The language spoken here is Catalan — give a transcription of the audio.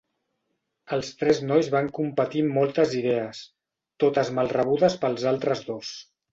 Els tres nois van competir amb moltes idees, totes mal rebudes pels altres dos.